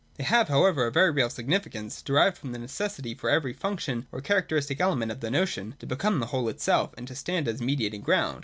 They have however a very real significance, derived from the necessity for every function or characteristic element of the notion to become the whole itself, and to stand as mediating ground.